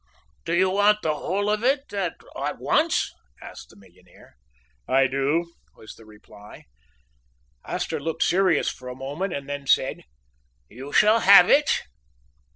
"Do you want the whole of it at once?" asked the millionaire. "I do," was the reply. Astor looked serious for a moment, and then said: "You shall have it."